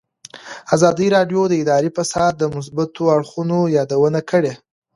ازادي راډیو د اداري فساد د مثبتو اړخونو یادونه کړې.